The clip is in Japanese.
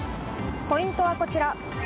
ポイントはこちら。